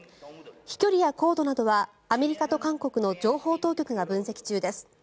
飛距離や高度などはアメリカと韓国の情報当局が分析中です。